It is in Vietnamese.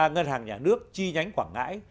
ngân hàng nhà nước chi nhánh quảng ngãi